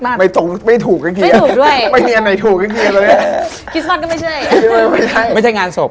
อย่างทุกวันทุกวัน